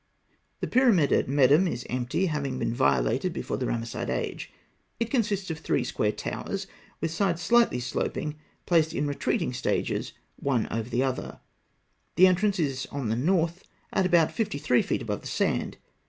The pyramid of Medûm is empty, having been violated before the Ramesside age. It consists of three square towers (Note 36) with sides slightly sloping, placed in retreating stages one over the other (fig. 142). The entrance is on the north, at about 53 feet above the sand.